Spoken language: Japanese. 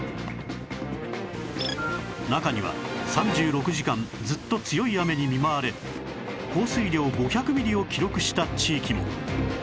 中には３６時間ずっと強い雨に見舞われ降水量５００ミリを記録した地域も